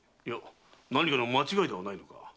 何かの間違いではないのか？